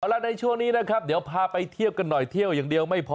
แล้วในช่วงนี้นะครับเดี๋ยวพาไปเที่ยวกันหน่อยเที่ยวอย่างเดียวไม่พอ